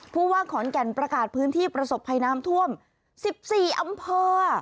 ว่าขอนแก่นประกาศพื้นที่ประสบภัยน้ำท่วม๑๔อำเภอ